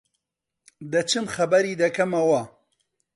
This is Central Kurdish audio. دەچم خەبەری دەکەمەوە.